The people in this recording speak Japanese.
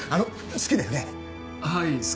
好きだよね？